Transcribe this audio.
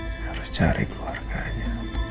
saya harus cari keluarganya